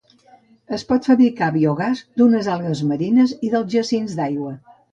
Es pot fabricar biogàs d'unes algues marines i dels jacints d'aigua.